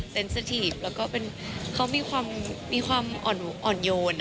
สถทีฟแล้วก็เขามีความอ่อนโยน